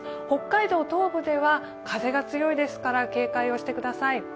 北海道東部では風が強いですから、警戒をしてください。